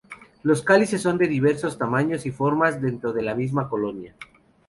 Los cálices son de diversos tamaños y formas dentro de la misma colonia.